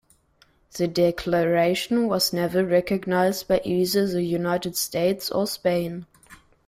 The declaration was never recognized by either the United States or Spain.